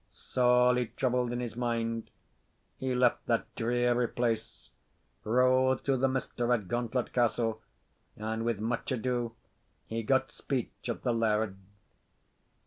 Sorely troubled in his mind, he left that dreary place, rode through the mist to Redgauntlet Castle, and with much ado he got speech of the laird.